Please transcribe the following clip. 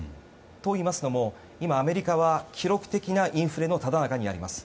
といいますのも今、アメリカは記録的なインフレのただ中にあります。